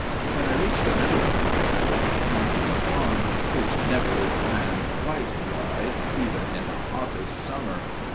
When I reached the middle of the meadow I came to a pond which never ran quite dry even in the hottest summer.